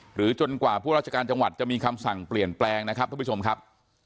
หรือจนกว่าผู้ราชการจังหวัดจะมีคำสั่งเปลี่ยนแปลงนะครับ